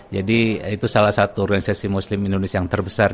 jadi itu salah satu organisasi muslim indonesia yang terbesar